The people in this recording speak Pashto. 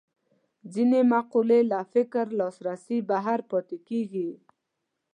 ځینې مقولې له فکر لاسرسي بهر پاتې کېږي